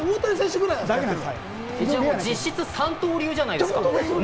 実質、三刀流じゃないですか！